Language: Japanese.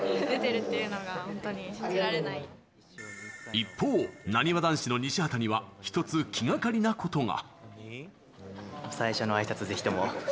一方、なにわ男子の西畑には一つ、気がかりなことが。